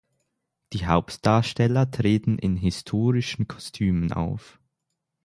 Die Hauptdarsteller treten in historischen Kostümen auf.